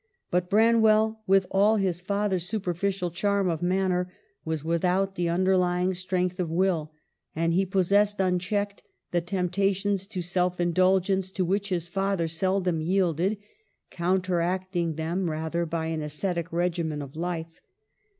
But Branwell, with all his father's super ficial charm of manner, was without the un derlying strength of will, and he possessed, unchecked, the temptations to self indulgence, to which his father seldom yielded, counteract ing them rather by an ascetic regimen of life.